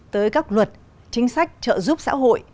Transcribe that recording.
tới các luật chính sách trợ giúp xã hội